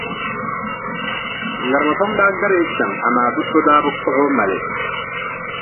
Ŋarima pam daa gariya chaŋ amaa bɛ so daa bi kpuɣi o mali.